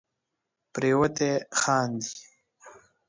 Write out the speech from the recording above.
پیروتې خاندې